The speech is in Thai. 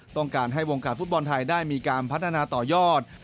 ต้องการให้วงการฟุตบอลไทยได้มีการพัฒนาต่อยอด